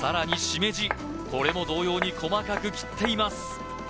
しめじこれも同様に細かく切っています